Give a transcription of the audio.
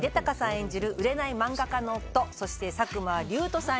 演じる売れない漫画家の夫そして作間龍斗さん